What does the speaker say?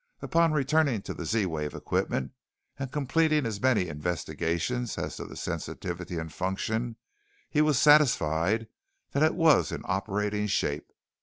Upon returning to the Z wave equipment and completing his many investigations as to sensitivity and function, he was satisfied that it was in operating shape.